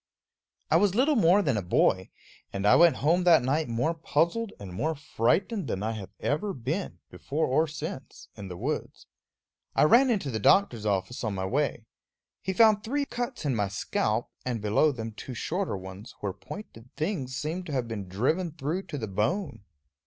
I was little more than a boy; and I went home that night more puzzled and more frightened than I have ever been, before or since, in the woods. I ran into the doctor's office on my way. He found three cuts in my scalp, and below them two shorter ones, where pointed things seemed to have been driven through to the bone.